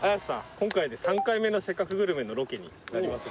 今回で３回目の「せっかくグルメ！！」のロケになりますがはい今までのロケ